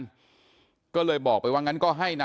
ผมมีโพสต์นึงครับว่า